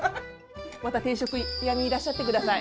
また定食に気軽にいらっしゃってください。